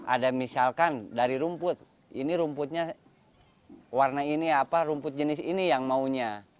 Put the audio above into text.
ada misalkan dari rumput ini rumputnya warna ini apa rumput jenis ini yang maunya